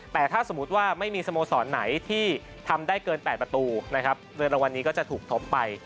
แต่ถ้าสมมุติว่าไม่มีสโมสรไหนที่ทำได้เกิน๘ประตูนะครับ